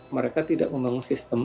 mereka tidak membangun sistem